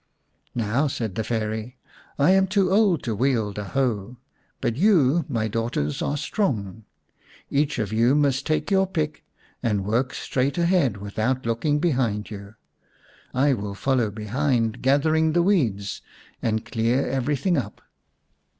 " Now," said the Fairy, " I am too old to wield a hoe, but you, my daughters, are strong. Each of you must take your pick and work straight ahead without looking behind you. I will follow behind, gather the weeds, and clear everything up."